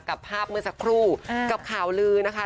กับภาพเมื่อสักครู่กับข่าวลือนะคะ